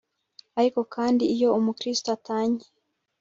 ariko kandi, iyo umukristo atanye